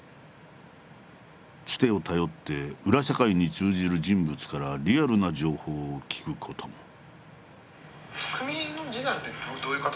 つてを頼って裏社会に通じる人物からリアルな情報を聞くことも。